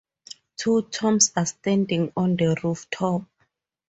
Two tombs are standing on the rooftop.